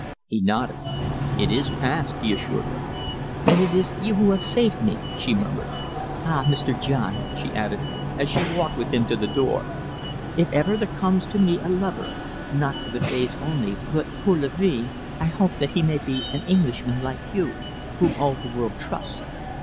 He nodded. "It is past," he assured her. "And it is you who have saved me," she murmured. "Ah, Mr. John," she added, as she walked with him to the door, "if ever there comes to me a lover, not for the days only but pour la vie, I hope that he may be an Englishman like you, whom all the world trusts."